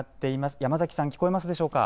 山崎さん、聞こえていますでしょうか。